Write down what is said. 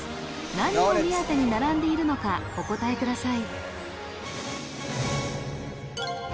何を目当てに並んでいるのかお答えください